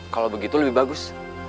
kalau begitu lebih bagus